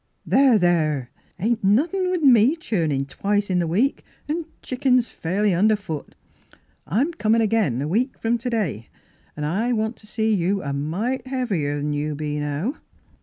" There, there ! it ain't nothin' 'n' with me a churnin' twice in the week, an' chick ens fairly under foot. I'm comin' again a week from to day, an' I wan't t' see you a mite heavier 'an you be now."